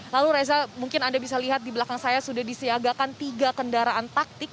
lalu reza mungkin anda bisa lihat di belakang saya sudah disiagakan tiga kendaraan taktik